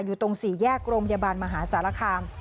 อยู่ตรงสี่แยกรโรยบานมหาศาลาคาม